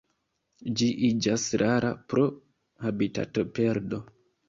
Ĝi iĝas rara pro habitatoperdo.